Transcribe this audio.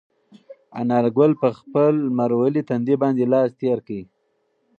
انارګل په خپل لمر وهلي تندي باندې لاس تېر کړ.